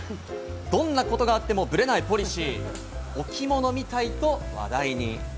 どんなことがあっても、ぶれないポリシー、置物みたいと話題に。